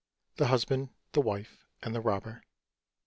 THE HUSBAND, THE WIFE, AND THE ROBBER.